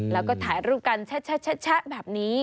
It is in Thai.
แล้วก็ถ่ายรูปกันแชะแบบนี้